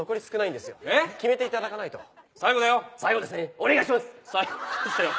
お願いします。